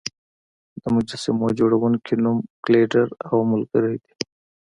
د مجسمو جوړونکي نوم ګیلډر او ملګري دی.